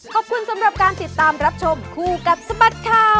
ขอบคุณสำหรับการติดตามรับชมคู่กับสบัดข่าว